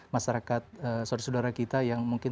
masyarakat saudara saudara kita yang mungkin